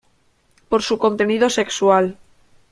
Por su contenido sexual.